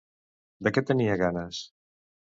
De què tenia ganes?